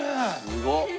すごっ。